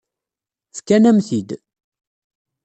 Fkan-am-t-id.